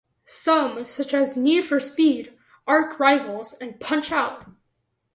Some, such as "Need for Speed", "Arch Rivals" and "Punch-Out!!